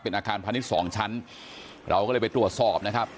อาคารพาณิชย์สองชั้นเราก็เลยไปตรวจสอบนะครับ